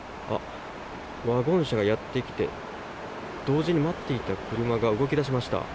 ワゴン車がやってきて同時に待っていた車が動き出しました。